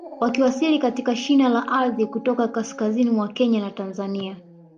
Wakiwasili katika shina la ardhi kutoka kaskazini mwa Kenya na Tanzania